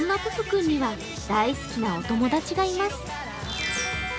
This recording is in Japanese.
君には大好きなお友達がいます。